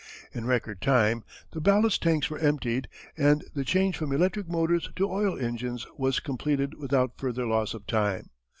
In record time the ballast tanks were emptied and the change from electric motors to oil engines was completed without further loss of time.